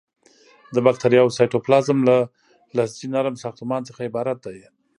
د باکتریاوو سایتوپلازم له لزجي نرم ساختمان څخه عبارت دی.